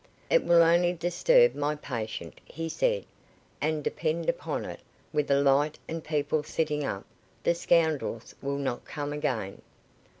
"It will only disturb my patient," he said, "and, depend upon it, with a light and people sitting up, the scoundrels will not come again."